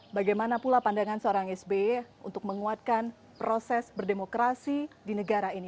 bagaimana pula pandangan seorang sby untuk menguatkan proses berdemokrasi di negara ini